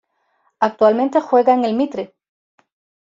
Actualmente juega en el Mitre.